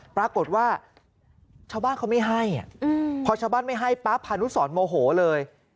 ปรากฏว่าชาวบ้านเขาไม่ให้พอชาวบ้านไม่ให้ปั๊บพานุสรโมโหเลย